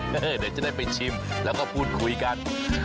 เดี๋ยวจะได้ไปชิมแล้วก็พูดคุยกัน